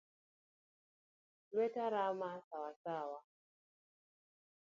Lueta rama Sawa sawa.